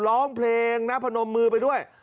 ร้องเพลงนะพนมมือไปด้วย